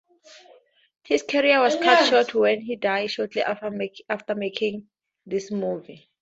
His career was cut short when he died shortly after making this movie.